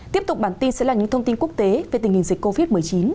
tiếp tục bản tin sẽ là những thông tin quốc tế về tình hình dịch covid một mươi chín